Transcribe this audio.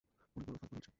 অনেক বড় ফাঁদ মনে হচ্ছে।